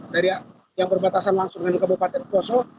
dari yang berbatasan langsung dengan kabupaten poso